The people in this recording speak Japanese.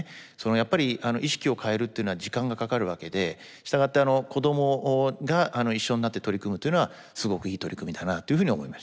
やっぱり意識を変えるっていうのは時間がかかるわけで従って子どもが一緒になって取り組むというのはすごくいい取り組みだなというふうに思いました。